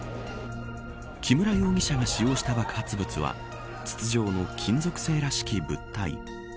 木村容疑者が使用した爆発物は筒状の金属製らしき物体。